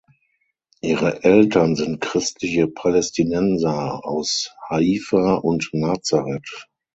Ihre Eltern sind christliche Palästinenser aus Haifa und Nazareth.